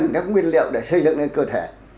nó rất cần các nguyên liệu để xây dựng lên cơ thể